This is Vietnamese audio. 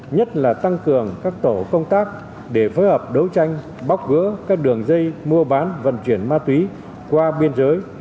nhất là tăng cường các tổ công tác để phối hợp đấu tranh bóc gỡ các đường dây mua bán vận chuyển ma túy qua biên giới